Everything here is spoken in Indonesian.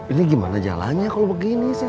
ini gimana jalannya kalau begini